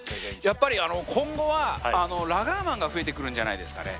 やっぱり今後はラガーマンが増えてくるんじゃないですかね